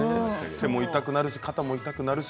手も痛くなるし肩も痛くなるし。